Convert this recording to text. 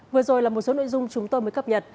vừa rồi là một số nội dung chúng tôi mới cập nhật